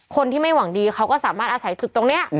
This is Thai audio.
คนที่ไม่หวังดีเขาก็สามารถอาศัยจุดตรงนี้